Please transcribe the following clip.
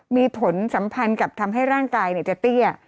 มีผลสัมพันธ์กับทำให้ร่างกายจะเตี้ย